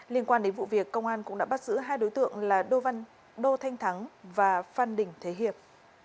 liên quan đến vụ việc công an cũng đã bắt giữ hai đối tượng là đô thanh thắng và phan đình thế hiệp